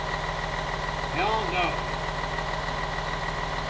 Hell no!